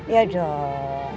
ya dong ya kan